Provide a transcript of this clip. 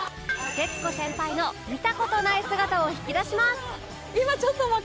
徹子先輩の見た事ない姿を引き出します